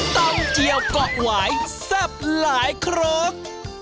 ตำเจียวกลอกหวายซับหลายครก